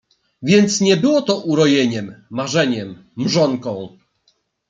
Więc nie było to urojeniem, marzeniem, mrzonką!